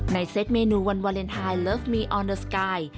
ในเซ็ตเมนูวันวาเลนไทยลอฟมีออนเดอสกาย